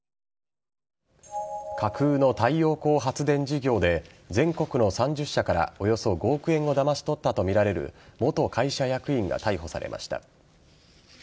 架空の太陽光発電事業で全国の３０社からおよそ５億円をだまし取ったとみられる元会社役員が逮捕されました。